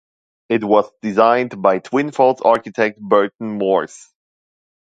It was designed by Twin Falls architect Burton Morse.